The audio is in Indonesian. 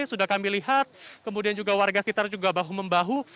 sudah kami lihat kemudian juga warga sekitar juga bahu membahu